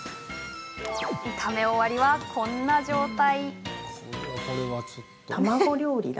炒め終わりは、このような状態。